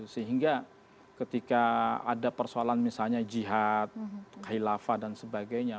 sehingga ketika ada persoalan misalnya jihad khilafah dan sebagainya